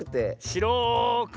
しろくて。